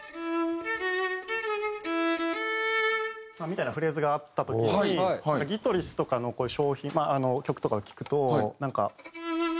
みたいなフレーズがあった時にギトリスとかの曲とかを聴くとなんか。